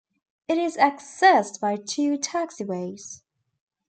It is accessed by two taxiways.